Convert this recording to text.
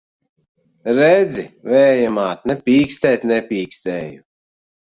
Redzi, Vēja māt! Ne pīkstēt nepīkstēju!